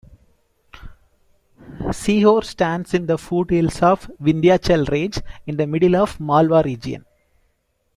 Sehore stands in the foothills of Vindhyachal Range in the middle of Malwa region.